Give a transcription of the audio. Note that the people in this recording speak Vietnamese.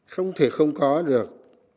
không thể không có được